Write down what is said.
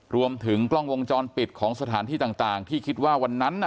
รวมถึงกล้องวงจรปิดของสถานที่ต่างที่คิดว่าวันนั้น